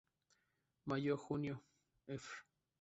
Mayo-junio, fr.